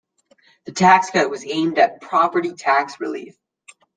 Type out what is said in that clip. The tax cut was aimed at property tax relief.